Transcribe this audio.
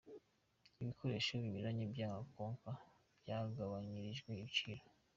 Ibikoresho binyuranye bya Konka byagabanyirijwe ibiciro.